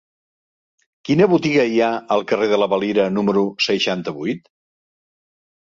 Quina botiga hi ha al carrer de la Valira número seixanta-vuit?